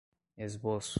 esboço